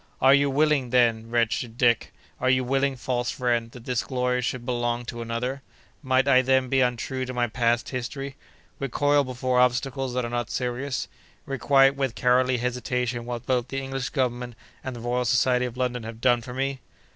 "Are you willing, then, wretched Dick—are you willing, false friend—that this glory should belong to another? Must I then be untrue to my past history; recoil before obstacles that are not serious; requite with cowardly hesitation what both the English Government and the Royal Society of London have done for me?"